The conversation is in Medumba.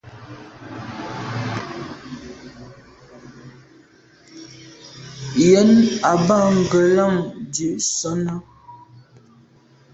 Yen nà ba ngelan ndù sàne.